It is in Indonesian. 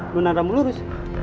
lu naram lurus